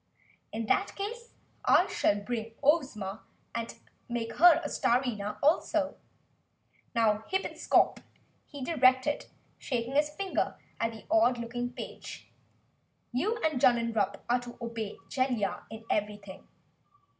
"In that case, I shall bring Ohsma back and make her a Starina also!" promised Strut. "Now Hippenscop," he directed, shaking his finger at the odd looking page, "you and Junnenrump are to obey Jellia in everything.